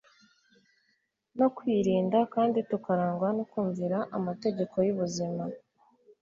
no kwirinda kandi tukarangwa no kumvira amategeko yubuzima